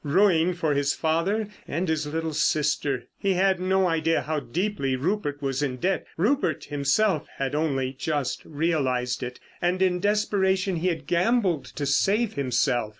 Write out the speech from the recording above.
Ruin for his father and his little sister! He had no idea how deeply Rupert was in debt. Rupert himself had only just realised it. And in desperation he had gambled to save himself.